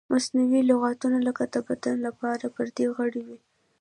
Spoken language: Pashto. مصنوعي لغتونه لکه د بدن لپاره پردی غړی وي.